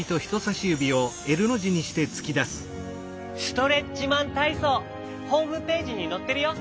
ストレッチマンたいそうホームページにのってるよ。